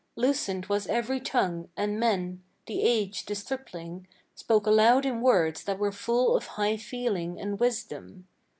Loosened was every tongue, and men the aged, the stripling Spoke aloud in words that were full of high feeling and wisdom.